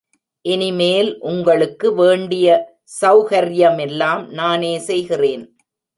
இனிமேல் உங்களுக்கு வேண்டிய செளகர்யமெல்லாம் நானே செய்கிறேன்.